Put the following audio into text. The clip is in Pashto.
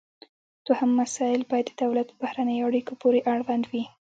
دوهم مسایل باید د دولت په بهرنیو اړیکو پورې اړوند وي